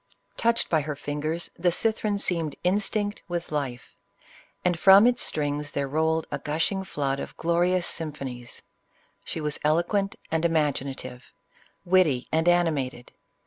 CLEOPATRA. 17 Touched by her fingers, the cithern seemed instinct with life, and from its strings there rolled a gushing flood of glorious symphonies. She was eloquent and imaginative, witty and animated.